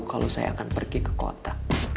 kalau saya akan pergi ke kota